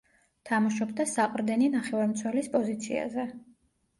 თამაშობდა საყრდენი ნახევარმცველის პოზიციაზე.